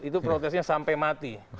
itu protesnya sampai mati